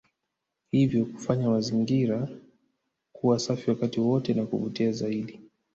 Hivyo kuyafanya mazingira kuwa safi wakati wote na kuvutia zaidi